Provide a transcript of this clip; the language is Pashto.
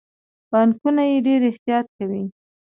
بانکونه یې ډیر احتیاط کوي.